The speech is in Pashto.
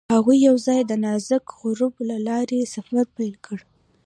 هغوی یوځای د نازک غروب له لارې سفر پیل کړ.